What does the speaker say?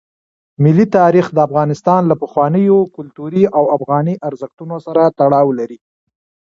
ملي تاریخ د افغانستان له پخوانیو کلتوري او افغاني ارزښتونو سره تړاو لري.